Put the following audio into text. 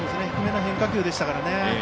低めの変化球でしたからね。